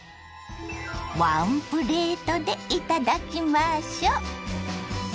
ワンプレートでいただきましょ。